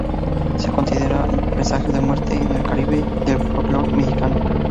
Se considera un presagio de muerte en el Caribe y el folclore mexicano.